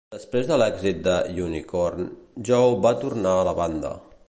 Després de l'èxit de "The Unicorn", Joe va tornar a la banda.